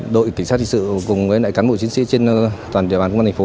đội cảnh sát hình sự cùng với cán bộ chiến sĩ trên toàn địa bàn công an thành phố